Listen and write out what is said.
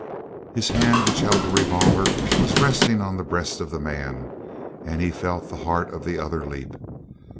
His hand which held the revolver was resting on the breast of the man, and he felt the heart of the other leap.